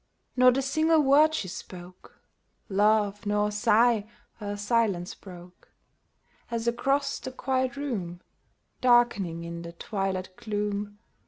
Not a single word she spoke ; Laugh nor sigh her silence broke As across the quiet room, Darkening in the twilight gloom.